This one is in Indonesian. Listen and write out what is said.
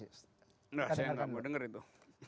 nah saya gak mau denger itu